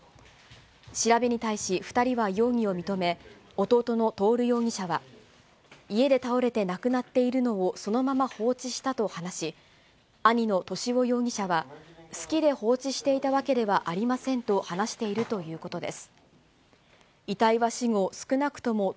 調べに対し、２人は容疑を認め、弟の徹容疑者は、家で倒れて亡くなっているのをそのまま放置したと話し、兄の敏夫容疑者は、好きで放置していたわけではありませんと話しているということです。